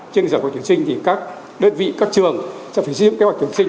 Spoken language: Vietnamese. trên giảm của tuyển sinh thì các đơn vị các trường sẽ phải giữ kế hoạch tuyển sinh